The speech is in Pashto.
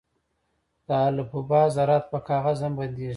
د الفا ذرات په کاغذ هم بندېږي.